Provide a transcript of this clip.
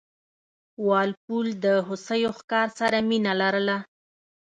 وال پول د هوسیو ښکار سره مینه لرله.